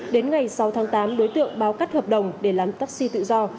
đến ngày sáu tháng tám đối tượng báo cắt hợp đồng để làm taxi tự do